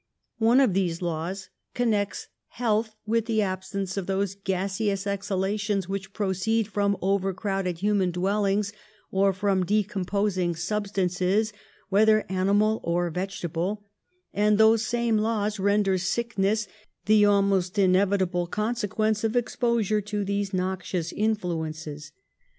One of these laws connects health with the ahsence of those gaseons exha lations which proceed from overcrowded human dwellings, or from decomposing substances, whether animal or vegetable; and those same laws render sickness the almost inevitable consequence of expo sure to these noxious influences.